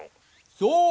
そう！